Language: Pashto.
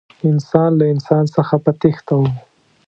انسان له انسان څخه په تېښته و.